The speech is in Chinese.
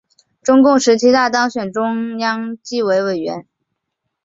中共十七大当选中央纪委委员。